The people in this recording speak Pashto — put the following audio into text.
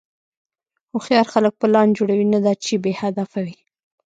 هوښیار خلک پلان جوړوي، نه دا چې بېهدفه وي.